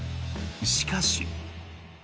しかし。